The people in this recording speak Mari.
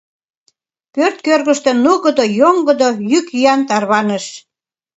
Пӧрт кӧргыштӧ нугыдо, йоҥгыдо йӱк-йӱан тарваныш.